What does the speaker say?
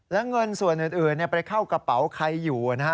และเงินส่วนอื่นไปเข้ากระเป๋าใครอยู่นะฮะ